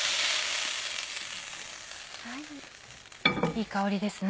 いい香りですね。